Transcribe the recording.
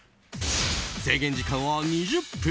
制限時間は２０分。